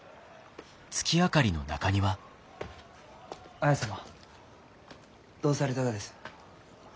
綾様どうされたがです？